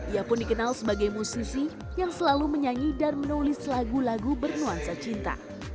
ia pun dikenal sebagai musisi yang selalu menyanyi dan menulis lagu lagu bernuansa cinta